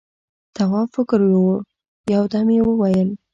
تواب فکر يووړ، يو دم يې وويل: